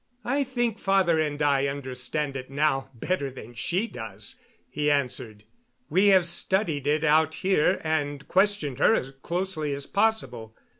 "I think father and I understand it now better than she does," he answered. "We have studied it out here and questioned her as closely as possible.